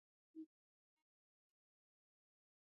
د الله تعالی سره د انسان د عملونو قدر او اهميت شته